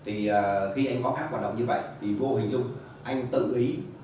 thì khi anh có phép hoạt động như vậy thì vô hình dung anh tự ý